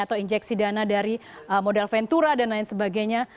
atau injeksi dana dari modal ventura dan lain sebagainya